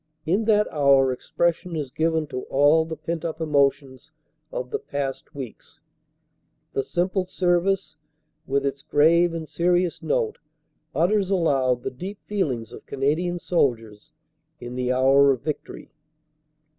In that hour expression is given to all the pent up emotions of the past weeks. The simple service with its grave and serious note utters aloud the deep feelings of Canadian soldiers in the hour of victory.